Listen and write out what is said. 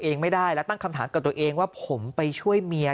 เองไม่ได้และตั้งคำถามกับตัวเองว่าผมไปช่วยเมีย